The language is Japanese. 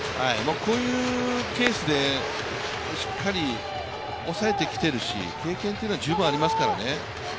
こういうケースでしっかり抑えてきているし、経験というのは十分ありますからね。